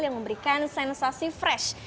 yang memberikan sensasi fresh